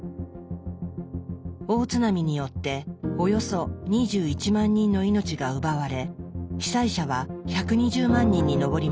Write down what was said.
大津波によっておよそ２１万人の命が奪われ被災者は１２０万人に上りました。